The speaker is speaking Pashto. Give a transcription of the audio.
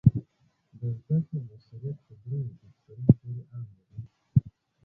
د زده کړې مؤثریت په دریو فکتورونو پورې اړه لري.